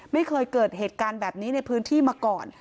ไม่เคยเกิดเหตุการณ์แบบนี้ในพื้นที่มาก่อน